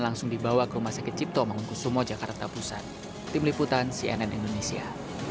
langsung dibawa ke rumah sakit cipto mangunkusumo jakarta pusat tim liputan cnn indonesia